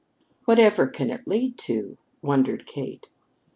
"Whatever can it lead to?" wondered Kate.